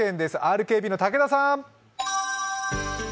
ＲＫＢの武田さん。